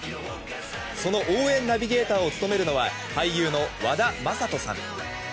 その応援ナビゲーターを務めるのは俳優の和田正人さん。